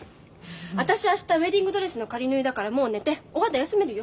私明日ウエディングドレスの仮縫いだからもう寝てお肌休めるよ。